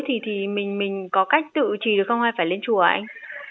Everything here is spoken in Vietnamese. thì mình có cách tự trì được không ai phải lên chùa anh